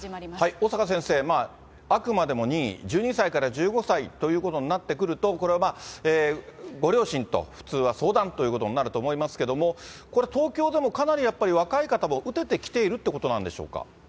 小坂先生、あくまでも任意、１２歳から１５歳ということになってくると、これはまあ、ご両親と普通は相談ということになると思いますけれども、これ、東京でもかなりやっぱり、若い方も打ててきているということなんでしょうか。